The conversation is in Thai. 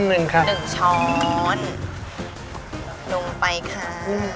ลงไปค่า